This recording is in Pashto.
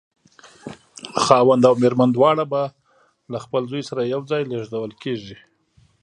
خاوند او مېرمن دواړه به له خپل زوی سره یو ځای لېږدول کېږي.